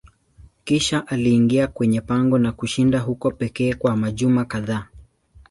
Kisha aliingia kwenye pango na kushinda huko pekee kwa majuma kadhaa.